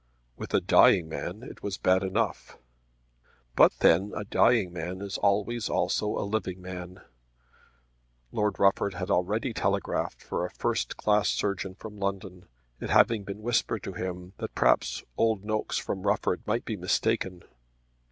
With a dying man it was bad enough; but then a dying man is always also a living man! Lord Rufford had already telegraphed for a first class surgeon from London, it having been whispered to him that perhaps Old Nokes from Rufford might be mistaken.